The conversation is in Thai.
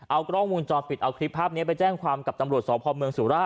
เอากล้องวงจอมปิดเอาคลิปภาพเนี้ยไปแจ้งความกับตำรวจสองพสุราชดำเนินคดี